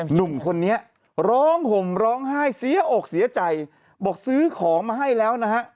หนุ่มคนนี้ร้องห่มร้องไห้เสียอกเสียใจบอกซื้อของมาให้แล้วนะฮะ